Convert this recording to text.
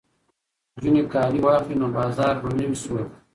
که نجونې کالي واخلي نو بازار به نه وي سوړ.